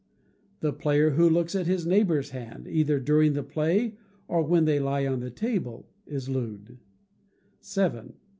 The player who looks at his neighbour's hand, either during the play or when they lie on the table, is looed. vii.